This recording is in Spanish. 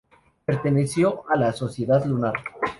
Perteneció a la Sociedad Lunar.